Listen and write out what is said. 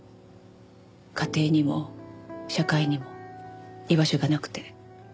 家庭にも社会にも居場所がなくて。